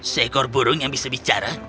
seekor burung yang bisa bicara